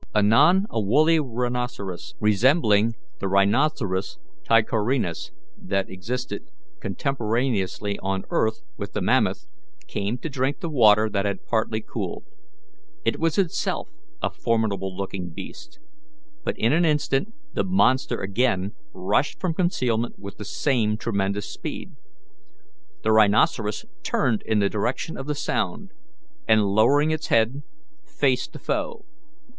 Anon a woolly rhinoceros, resembling the Rhinoceros tichorhinus that existed contemporaneously on earth with the mammoth, came to drink the water that had partly cooled. It was itself a formidable looking beast, but in an instant the monster again rushed from concealment with the same tremendous speed. The rhinoceros turned in the direction of the sound, and, lowering its head, faced the foe.